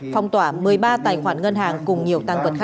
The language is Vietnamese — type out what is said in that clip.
phong tỏa một mươi ba tài khoản ngân hàng cùng nhiều tăng cấp